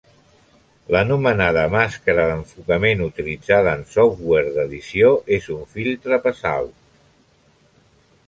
L'anomenada màscara d'enfocament utilitzada en software d'edició és un filtre passaalt.